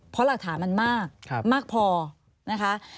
เพราะหลักฐานมันมากมากพอนะคะ